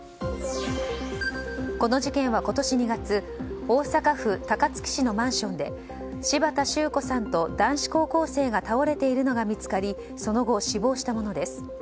この事件は今年２月大阪府高槻市のマンションで柴田周子さんと男子高校生が倒れているのが見つかりその後、死亡したものです。